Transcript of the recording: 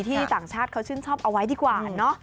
ต่างชาติเขาชื่นชอบเอาไว้ดีกว่าเนอะ